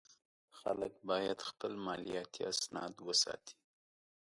خلک باید خپل مالیاتي اسناد وساتي.